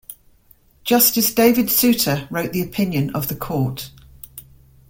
Justice David Souter wrote the opinion of the Court.